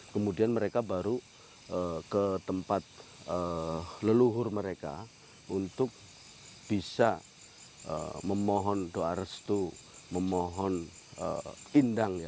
kemudian mereka baru ke tempat leluhur mereka untuk bisa memohon doa restu memohon indang